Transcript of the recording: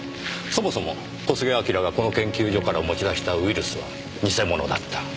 そもそも小菅彬がこの研究所から持ち出したウイルスは偽物だった。